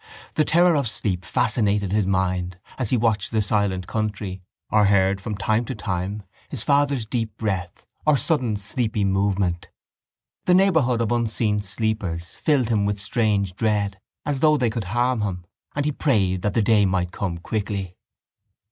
The terror of sleep fascinated his mind as he watched the silent country or heard from time to time his father's deep breath or sudden sleepy movement. The neighbourhood of unseen sleepers filled him with strange dread, as though they could harm him, and he prayed that the day might come quickly.